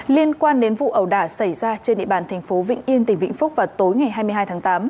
liên quan đến vụ ẩu đả xảy ra trên địa bàn thành phố vĩnh yên tỉnh vĩnh phúc vào tối ngày hai mươi hai tháng tám